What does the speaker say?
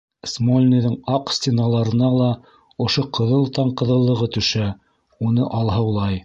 Смольныйҙың аҡ стеналарына ла ошо ҡыҙыл таң ҡыҙыллығы төшә, уны алһыулай.